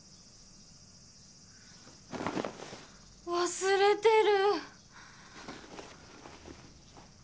忘れてる！